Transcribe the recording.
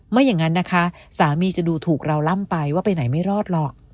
ไม่อย่างนั้นนะคะสามีจะดูถูกเราล่ำไปว่าไปไหนไม่รอดหรอก